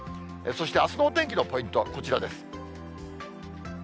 そしてあすのお天気のポイント、こちらです。